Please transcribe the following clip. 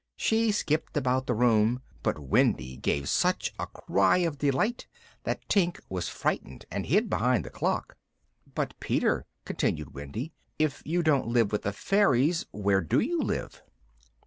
She skipped about the room, but Wendy gave such a cry of delight that Tink was frightened and hid behind the clock. "But Peter," continued Wendy, "if you don't live with the fairies, where do you live?"